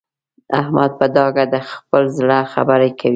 احمد په ډاګه د خپل زړه خبره کوي.